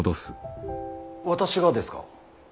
私がですか。